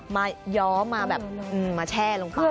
มาย้อมาแบบแช่ลงไป